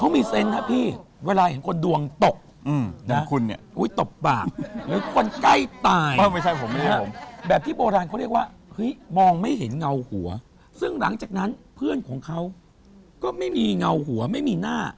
ไม่เห็นเงาหัวซึ่งหลังจากนั้นเพื่อนของเขาก็ไม่มีเงาหัวไม่มีหน้า